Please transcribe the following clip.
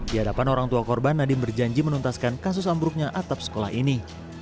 di hadapan orang tua korban nadiem berjanji menuntaskan kasus ambruknya atap sekolah ini